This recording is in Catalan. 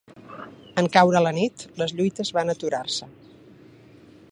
En caure la nit, les lluites van aturar-se.